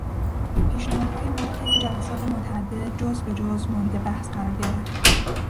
پیشنهادهای ما طی جلسات متعدد جز به جز مورد بحث قرار گرفت.